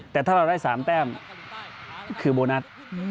แต่ถ้าเราได้๓แต้มคือโบนัส